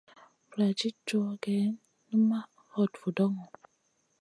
Vuladid cow gèh numaʼ hot vudoŋo.